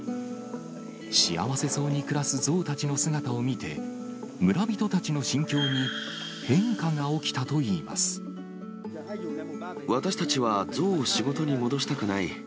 幸せそうに暮らすゾウたちの姿を見て、村人たちの心境に変化が起私たちはゾウを仕事に戻したくない。